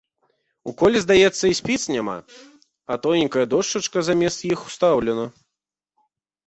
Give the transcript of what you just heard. У коле здаецца й спіц няма, а тоненькая дошчачка замест іх устаўлена.